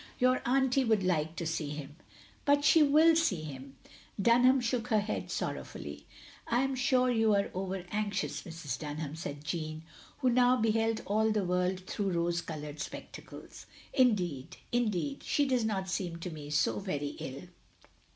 "Your auntie would like to see him." "But she will see him." Dunham shook her head sorrowfully. " I am sure you are over anxious, Mrs. Dunham," said Jeanne, who now beheld all the world through rose coloured spectacles. "Indeed, indeed, she does not seem to me so very ill."